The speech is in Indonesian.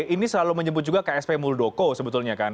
ini selalu menyebut juga ksp muldoko sebetulnya kan